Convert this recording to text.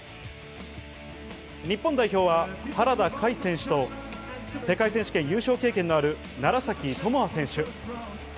日本代表は原田海選手と世界選手権の優勝経験のある楢崎智亜選手。